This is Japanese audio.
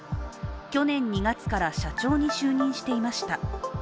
去年２月から社長に就任していました。